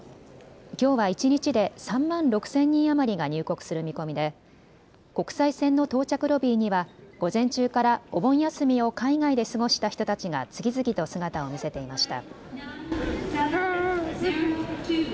きょうは一日で３万６０００人余りが入国する見込みで国際線の到着ロビーには午前中からお盆休みを海外で過ごした人たちが次々と姿を見せていました。